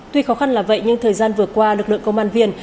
tuy khó khăn là vậy nhưng thời gian vừa qua lực lượng công an viên